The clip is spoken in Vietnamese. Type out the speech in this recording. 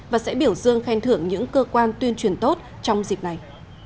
và sẽ biểu dương khen thưởng những cơ quan tuyên truyền tốt trong dịp này